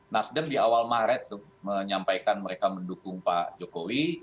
nasdem di awal maret menyampaikan mereka mendukung pak jokowi